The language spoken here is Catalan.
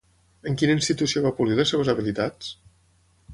En quina institució va polir les seves habilitats?